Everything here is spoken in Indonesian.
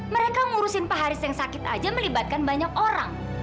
mereka ngurusin pak haris yang sakit aja melibatkan banyak orang